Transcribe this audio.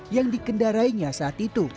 yang dikendarainya saat itu